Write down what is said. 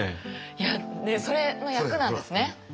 いやそれの役なんですね。